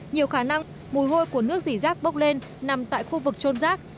nhiều khả năng mùi hôi của nước dỉ rác bốc lên nằm tại khu vực trôn rác